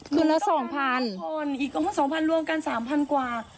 คืนละ๒๐๐คนอีก๒๐๐รวมกัน๓๐๐กว่า